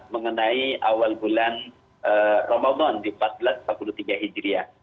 mengenai awal bulan ramadan di empat belas tiga belas hijriah